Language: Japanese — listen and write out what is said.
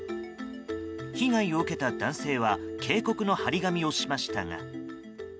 被害を受けた男性は警告の貼り紙をしましたが。